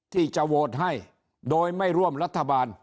ที่จะโหวตให้โดยไม่ร่วมรัฐบาล